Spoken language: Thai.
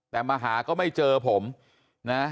แต่มาหาก็ไม่เจอผมนะ